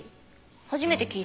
初めて聞いた。